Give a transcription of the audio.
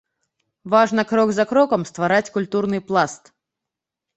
Важна крок за крокам ствараць культурны пласт.